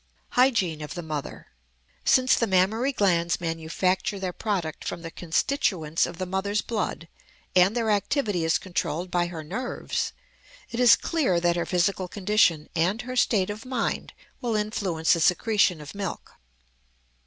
HYGIENE OF THE MOTHER. Since the mammary glands manufacture their product from the constituents of the mother's blood and their activity is controlled by her nerves, it is clear that her physical condition and her state of mind will influence the secretion of milk.